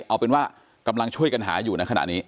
เอาเป็นว่ากำลังช่วยกันหาอยู่ในขณะนี้